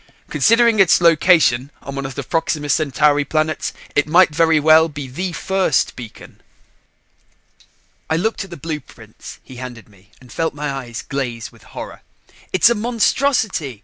Considering its location on one of the Proxima Centauri planets, it might very well be the first beacon." I looked at the blueprints he handed me and felt my eyes glaze with horror. "It's a monstrosity!